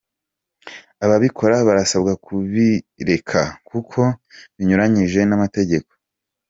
Ababikora barasabwa kubireka kuko binyuranyije n’amategeko.